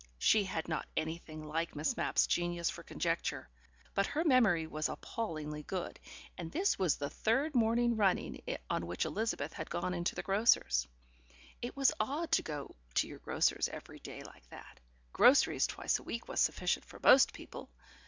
She had not anything like Miss Mapp's genius for conjecture, but her memory was appallingly good, and this was the third morning running on which Elizabeth had gone into the grocer's. It was odd to go to your grocer's every day like that: groceries twice a week was sufficient for most people.